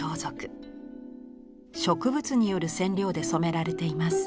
植物による染料で染められています。